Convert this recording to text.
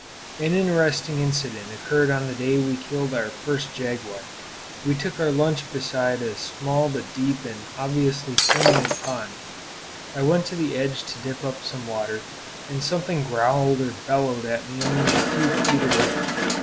An interesting incident occurred on the day we killed our first jaguar. We took our lunch beside a small but deep and obviously permanent pond. I went to the edge to dip up some water, and something growled or bellowed at me only a few feet away.